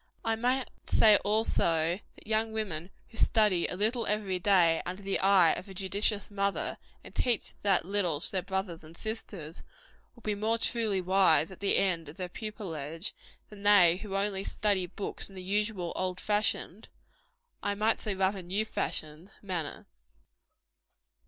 I might say, also, that young women who study a little every day under the eye of a judicious mother, and teach that little to their brothers and sisters, will be more truly wise at the end of their pupilage, than they who only study books in the usual old fashioned I might say, rather, new fashioned manner.